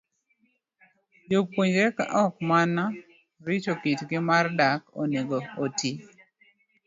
Jopuonjre, ka ok mana rito kitgi mar dak, onego oti